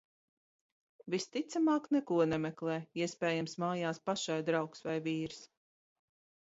Visticamāk neko nemeklē, iespējams mājās pašai draugs vai vīrs.